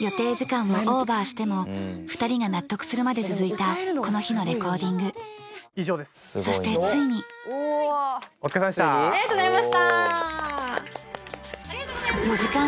予定時間をオーバーしても２人が納得するまで続いたこの日のレコーディングそしてついにありがとうございました！